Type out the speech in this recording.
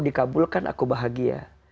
dikabulkan aku bahagia